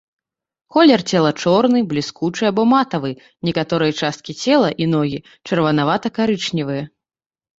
Колер цела чорны, бліскучы або матавы, некаторыя часткі цела і ногі чырванаваты-карычневыя.